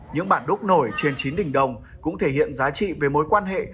những bản đúc nổi trên chín đỉnh đồng cũng thể hiện giá trị về mối quan hệ